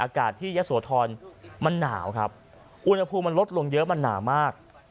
อากาศที่ยะโสธรมันหนาวครับอุณหภูมิมันลดลงเยอะมันหนามาก